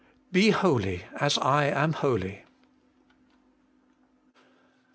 1 BE HOLY, AS I AM HOLY.